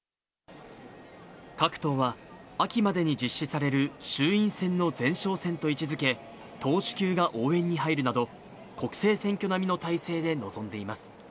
各党は、秋までに実施される衆院選の前哨戦と位置づけ、党首級が応援に入るなど、国政選挙並みの態勢で臨んでいます。